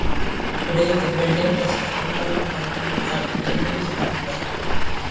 Today the building is occupied by the Oddfellows Wine Bar.